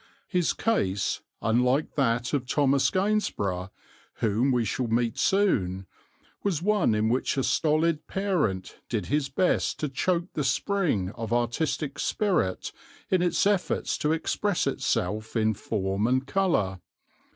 His case, unlike that of Thomas Gainsborough, whom we shall meet soon, was one in which a stolid parent did his best to choke the spring of artistic spirit in its efforts to express itself in form and colour.